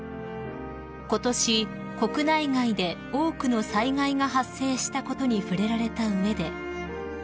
［ことし国内外で多くの災害が発生したことに触れられた上で］